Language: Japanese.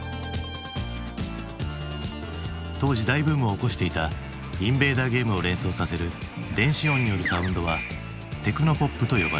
当時大ブームを起こしていたインベーダーゲームを連想させる電子音によるサウンドはテクノポップと呼ばれる。